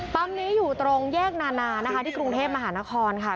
นี้อยู่ตรงแยกนานานะคะที่กรุงเทพมหานครค่ะ